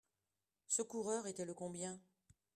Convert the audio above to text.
Ce coureur était le combien ?